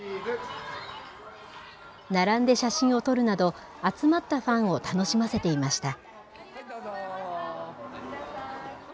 並んで写真を撮るなど、集まったファンを楽しませていました。